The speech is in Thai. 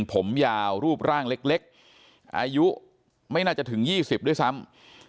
ผมยาวรูปร่างเล็กอายุไม่น่าจะถึง๒๐ด้วยซ้ำ